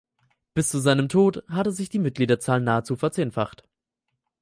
Bis zu seinem Tod hatte sich die Mitgliederzahl nahezu verzehnfacht.